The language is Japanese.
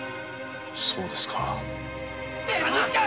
そうですか。